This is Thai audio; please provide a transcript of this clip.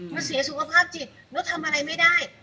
มันเสียสุขภาพจิตแล้วทำอะไรไม่ได้